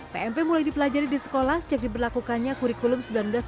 pmp mulai dipelajari di sekolah sejak diberlakukannya kurikulum seribu sembilan ratus sembilan puluh